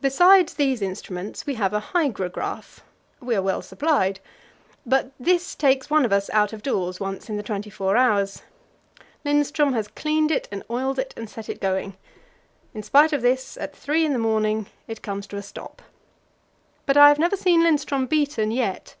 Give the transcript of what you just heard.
Besides these instruments we have a hygrograph we are well supplied; but this takes one of us out of doors once in the twenty four hours. Lindström has cleaned it and oiled it and set it going. In spite of this, at three in the morning it comes to a stop. But I have never seen Lindström beaten yet.